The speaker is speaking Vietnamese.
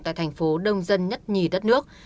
tại thành phố đông dân nhất nhì đất nước